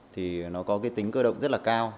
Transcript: thì nó có cái tính cơ động rất là cao